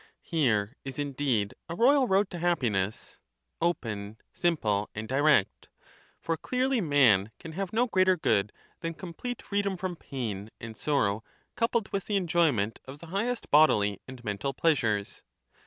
Here is indeed a royal rond to happiness a ill —open, simple, and direct ! For clearly man can "^J have no greater good than complete freedom from and pain and sorrow coupled with the enjoyment of the highest bodily and mental pleasures.